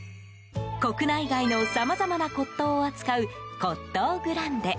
国内外のさまざまな骨董を扱う骨董グランデ。